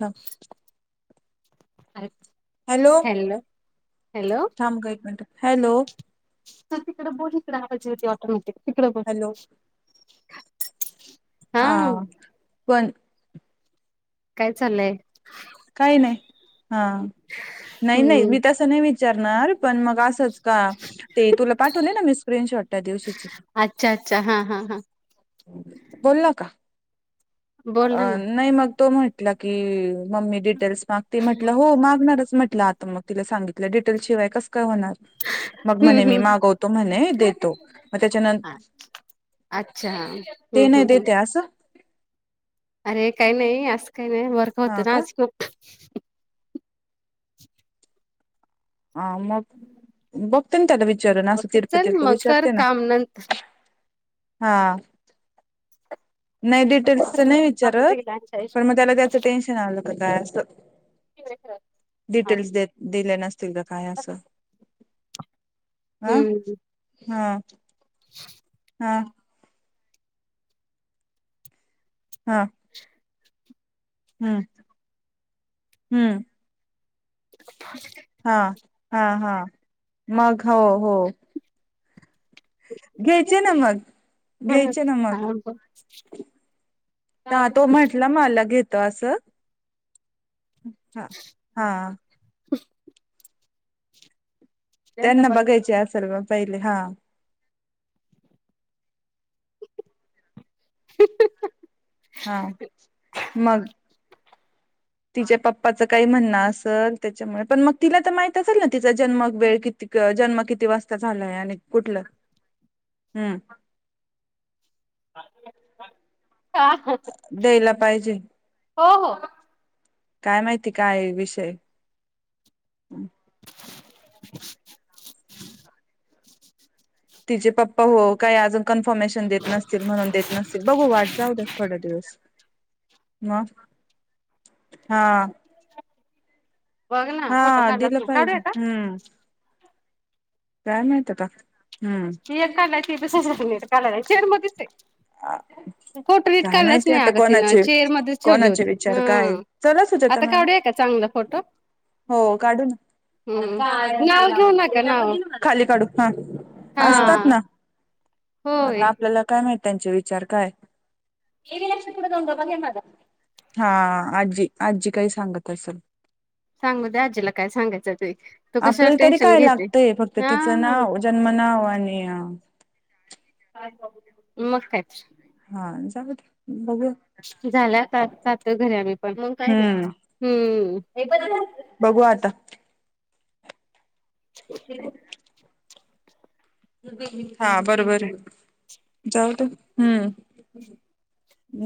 हा hello hello थांब ग एक मिनिट हॅलो तर तिकडें बोल हिकडं आवाज येतोय ऑटोमॅटिक तिकडे बोला हॅलो हा पण काय चाललंय काही नाही हा नाही नाही हम्म मी तसं नाही विचारणार पण मग असंच का ते तुला पाठवले ना मी स्क्रीनशॉट त्या दिवशीची अच् अच्छा हा हा हा बोलला का? बोला ना नाही मग तो म्हटला की मम्मी डिटेल्स मागते म्हटलं हो मागणारच म्हटलं आता मग तिला सांगितलं डिटेल्स शिवाय कस काय होणार? मग म्हणे हम्म मी हम्म मागवतो म्हणे देतो मग त्याच्यानंत अच्छा हुं हुं हुं देते असं अरे काही नाही असं काही नाही वर्क होतं हा ना का आज खूप ह मग बघते ना त्याला वी विचरण असं ओके चल तिरपतिरपं मग कर विचारते ना काम नंतर हा नाही डिटेल्सच नाही आपलं ते विचारत लहानच्या पण मग आयुष्यात त्याला त्याचं टेन्शन आलं का काय असं डिटेल्स देत [unintelligible] दिले नसतील का काय असं हं हम्म हा [unintelligible] हां हा हुं हुं [unintelligible] हा हा हा मग हो हो घ्यायचे ना मग हुं घ्यायचे ना मग आम्हीपण तो म्हटला मला घेतो असं हा हा ह त्यांना बघायचे असेल मग पहिले हा [unintelligible] हा मग तिच्या पप्पाचं काही म्हणणं असल त्याच्यामुळे पण मग तिला तर माहित असेल ना तिचा जन्म वेळ किती त जन्म किती वाजता झालाय आणि कुठलं? [unintelligible] हुं ह हो द्यायला पाहिजे हो काय माहिती काय आहे विषय [unintelligible] तिचे पप्पा हो काय अजून क्फर्मेशन देत नसतील म्हणून देत नस बघू वाट जाऊ दे थोड दिवस. म हा. बघ ना फोटो हा काढलाच दिलं ना पाहिजे काढूया का हम्म. काय माहित आता हम्म ती एक कलायची ब कायचेर मग दिसते. फोटो नीट काय काढलाच माहिती नाही आता अग तिनं कोणाचे चेअर मध्येच ठेवली कोणाचे होती. विचार काय हम्म चला सुजाता आता मॅडम कावड आहे का चांगलं? फोटो हो काढून हम्म नाव ना. घेऊ नका नाव खाली काढू हां असतात हा. ना. आता होय आपल्याला काय माहित त्यांचे विचार काय. हा आजी आजी काही सांगत असेल. सांगू द्या आजीला काय सांगायचं ते. तू कशाला आपल्याला तरी टेन्शन काय घेते. लागतंय फक्त हा तिचं नाव जन्म नाव आणि. मग काय. हा जाऊया की बघूया. झालं आता जातोय घरी आम्ही पण मग काय नाही हम्म हुं बघू आता [unintelligible] हा बरोबर जाऊ दे हम्म.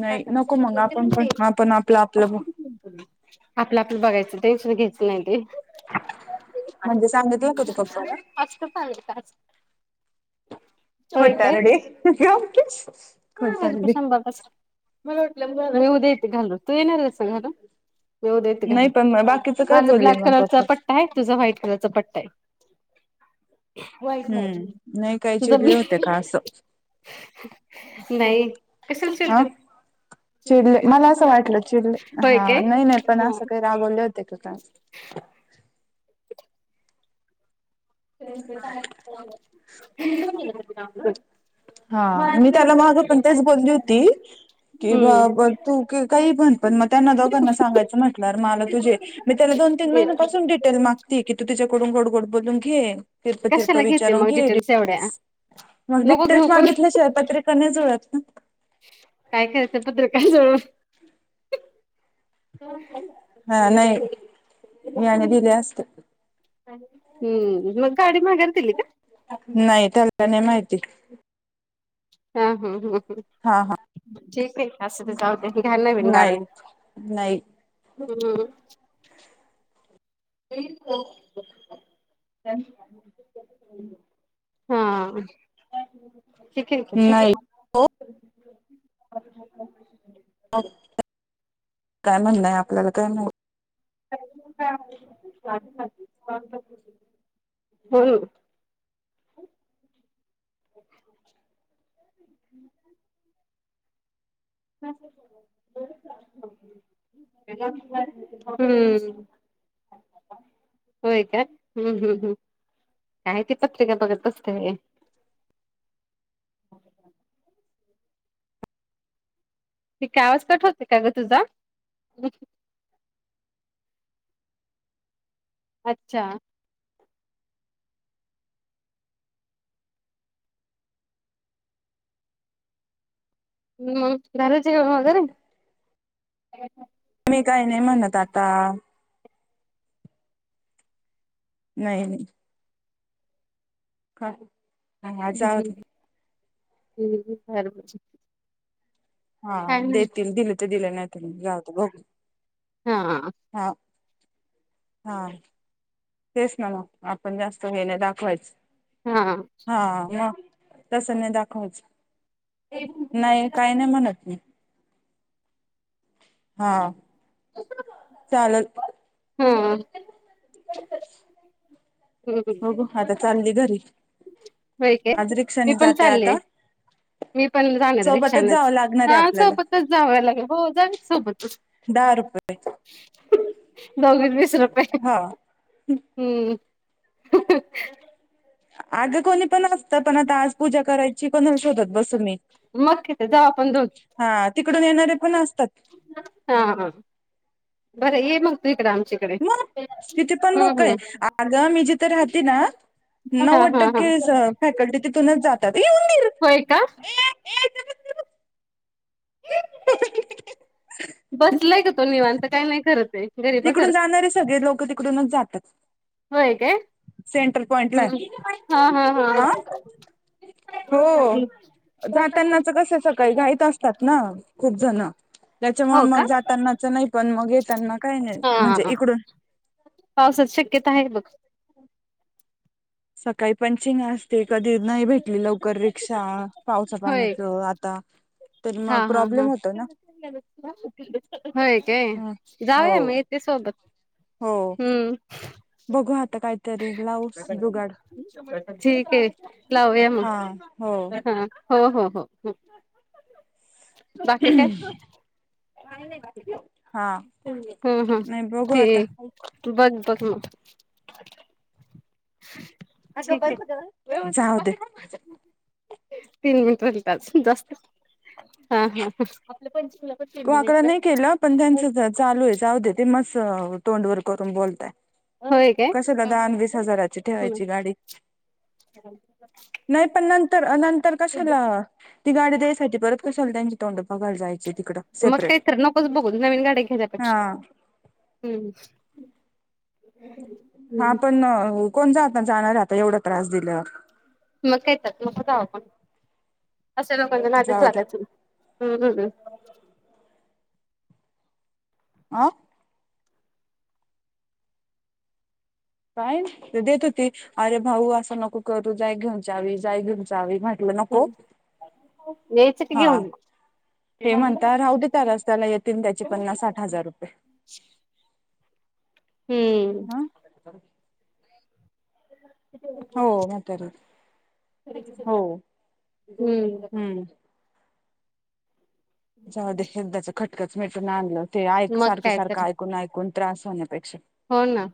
नाही नको मग आपण पण आपण आपलं आपलं मग आपलं आपलं बघायचं टेन्शन घ्यायच नाही ते. म्हणजे सांगितलं का तू पप्पाला पास् पाल का होय काय खोटारडे गप्प. हा माझ्या प शंबा मी उद्या येते घालू तू येणार कस घालून? मऊ देत घर नाही पण मग बाकीचं काय माझा बोलले ब्लॅक मग कलरचा पप्पा पट्टा आहे तुझा व्हाईट कलरचा पट्टा आहे. वाईट नाही हम्म नाही काही तुझं चिडले मी होते का असं नाही कशाला हा चिडते. चिडले मला असं वाट वाटलं चिडले होय हा काय. नाही नाही पण असं काही रागवले होते का काय ते हा मी त्याला माध पण तेच बोलली होती की बा हम्म ब तू. काही पण पण मग त्यांना दोघांना सांगायचं म्हटल्यार मला तुझे. मी त्याला दो तीन महिन्यापासून डिटेल मागते की तू तिच्याकडून गोड गोड बोलून घे [unintelligible] नय कशाला घेते मग डिटेल्स एवढ्या नको घेऊ पण जुळत ना. काय करायचं पत्र काय सोडव. हा नाही मीने दिले असते. हम्म मग गाडी माघर दिली का? नाही त्याला नाही माहिती. हम्म हम्म हम्म हम्म हा हा ठीक आहे असं तर जाऊ दे घ्या नवीन गाडी नाही नाही हम्म. [unintelligible] हा ठीक आहे. नाही काय म्हणणय आपल्याला काय म्हण. [unintelligible] म हम्म होय का हम्म हम्म हम् कायती पत्रिका बघत बसते. आवाज कठ होतय का ग तुझा अच्छा हम्म घरचीत र मी काही नाही म्हणत आता नाही नाही काय हम्म जाऊ दे हम् हम्र हा देतील दिले तर दिले नाही जाऊत बघ हा ह हा हा तेच ना मग आपण जास्त हेणे दाखवायच हा हा मग तस नाही दाखवच नाही काही नाही म्हणत नाही हा चाल हा हम् बघू आता चालली घरी होय काय आज मी रिक्षाने पण जाते चाललय आता मी पण जाणार आहे सोबतच रिक्षाच जावं लागणार हा आहे आपल्याला सोबतच जाव लागेल भा जावे सोबतच. दहा रुपये. दोघ वीस रुपये हा हम्म आगं कोणी पण असतं पण आता आज पूजा करायची कोणाला शोधत बसून मी. मग तिथे जाऊ आपण दोघी हा तिकडून येणारे पण असतात. हा हा बरं ये मग तु इकडे आमची मग तितीे पण लोक आहे आग मीजीत राहते ना हा नव्वद हा हा टक्के फॅकल्टी तिथूनच जातात य का एक बसला का तो निवांत काय नाही करत गरीबासारख नाही सगळे लोक ते तिकडूनच जातात होये सेंट्रल पॉइंटला हा हा हो जातानाच कस सकाळी घाईत असतात ना खूप जण त्याच्यामुळे हो का मग जातानाच नाही पण मग येताना काही नाही हा हा म्हणजे हा इकड पावसात शक्यता आहे बघ सकाळी पंचिंग असते कधी नाही भेटली लवकर रिक्षा पावसा होय पाण्याच आता तर हा मग हा हा प्रॉब्लेम होतो ना होय काय ह हो जाऊया मग येथे सोबत हो हम्म बघू आता काय तरी लावु जुगाड ठीक आहे लावूया मग हा हो हा हो हो हो हो बाकी काय हा हम्म हम्म नाही बघू आता ठीक बघ बघ म अग ठीक आहे बरत तीन मिनट रालतच जास्त हा हा ह आपल्या पंच मुला आकडा पण नाही केला पण त्यांचं चालू आहे जाऊ दे ते मस् तोंडवर करून बोलताय होय काय कस कदाान वीस हजाराची ठेवायची गाडी हम् नाही पण नंतर नंतर कशाला ती गाडी द्यायसाठी परत कशाला त्यांची तोंड पकय जायची तिकडं मग सेपरेट काहीत नकोच बघू नवीन गाडी्या हा घ्याल्यापेक्षा हम्म हा मग पण कोण जा आता जाणार आता एवढा त्रास दिलावर मग का येतात मग जाव पण अशा लोकांच नातच जाऊ दे वागाच् आ काय ते देत होती अरे भाऊ असं नको करू जाय घेऊन जावी जाय घेऊन जावी माहिती हम् येचकी हा घ उन हे म्हणता राह दे त्या रस् त्याला येतील त्याचे पन्नास साठ हजार रुपये हम्म हा ह हो म हो हम्म जाऊ दे हेदाचं खटकच मिटून आणलं ते ऐक मग सारखं काय सारखं तर ऐकून ऐकून त्रास होण्यापेक्षा हो ना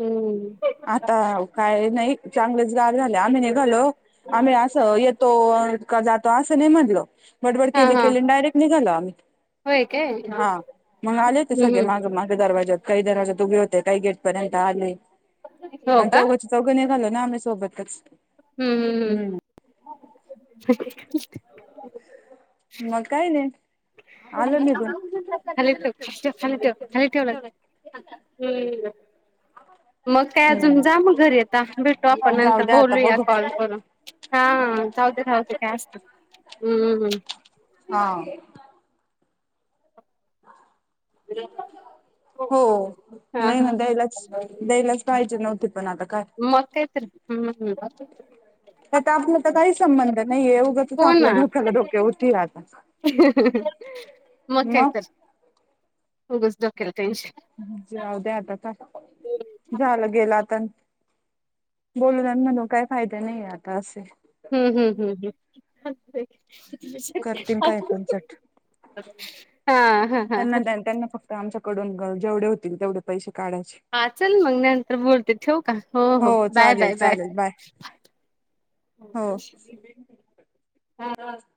हम्म आता काय नाही चांगलेच गार झाले आम्ही निघालो आम्ही अस येतो जातो असं नाही म्हटल बडबड हा केली हा केली डायरेक्ट निघालो आम्ही होय काय हम्म हा मग आले ते सगळे हम्म माग माग दरवाज्यात काही दराजात त उभे होते काही गेट पर्यंत आले हो आणि का चौघाची चौघं निघालो ना आम्ही सोबतच हम्म हम्म हम्म हम् मग काय नाही आलो निघ खाली ठेव खाली ठेव खाली ठेव खाली ठेवलं हम्म मग काय अजून जा म घरी येता भेटू आपण जाऊ नंतर द्या आता बोलूया बघू कॉल करून हा. चते सते जास्त हम्मम हम्. हा. हो हा नाही हा म्हण द यालाच द्यायलाच पाहिजे नव्हते पण आता काय? मक्यत हम्. तर आपण तर काही संबंध नाहीये उगंच आपल्या धोक्याला डोक्या उती राहतात. मकयतल गुसदोकेल टेनशन जाऊ द्या आता तर झालं गेलं आता बोलून म्हणून काय फायदाे नाहीे आता असे. हम्म हम्म हम् करतील काय हम्. पण चट हा हा त्यांना हा. त्यांना फक्त आमच्याकडून जेवढे होतील तेवढे पैसे काढायचे. हा चल मग नंतर बोलते ठेव का हो हो बाय बाय बाय. हो. ह.